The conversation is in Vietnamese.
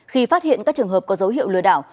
khi phát hiện các trường hợp có dấu hiệu lừa đảo